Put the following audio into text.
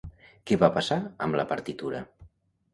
Què va passar amb la partitura?